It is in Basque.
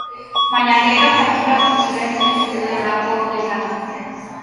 Baina gero konturatu ziren ez zeudela olgetarako.